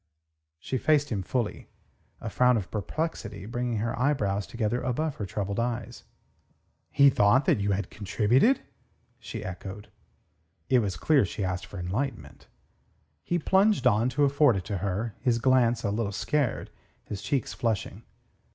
She faced him fully, a frown of perplexity bringing her brows together above her troubled eyes. "He thought that you had contributed?" she echoed. It was clear she asked for enlightenment. He plunged on to afford it her, his glance a little scared, his cheeks flushing.